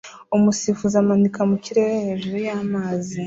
Umusifuzi amanika mu kirere hejuru y'amazi